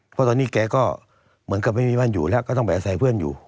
เพราะตอนนี้แกก็เหมือนกับไม่มีบ้านอยู่แล้วก็ต้องไปอาศัยเพื่อนอยู่